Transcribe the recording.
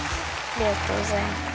ありがとうございます。